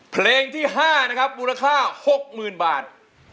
เพลงที่๕นะครับมูลค่า๖๐๐๐บาท